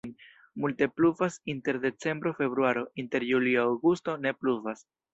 Multe pluvas inter decembro-februaro, inter julio-aŭgusto ne pluvas.